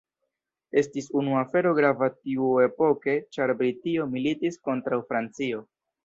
Estis unu afero grava tiuepoke ĉar Britio militis kontraŭ Francio.